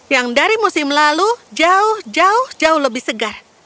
yang dari musim lalu jauh jauh lebih segar